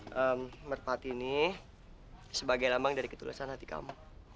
merpati ini sebagai lambang dari ketulusan hati kamu